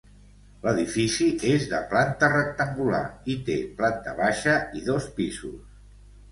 L'edifici és de planta rectangular i té planta baixa i dos pisos.